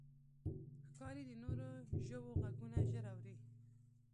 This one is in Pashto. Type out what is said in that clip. ښکاري د نورو ژوو غږونه ژر اوري.